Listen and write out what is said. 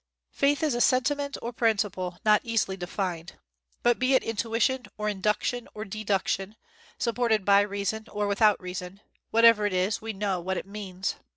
Faith is a sentiment or a principle not easily defined. But be it intuition, or induction, or deduction, supported by reason, or without reason, whatever it is, we know what it means.